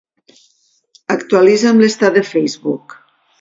Actualitza'm l'estat de Facebook.